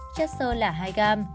chất sơ là hai gram